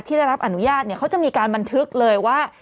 ได้รับอนุญาตเขาจะมีการบันทึกเลยว่า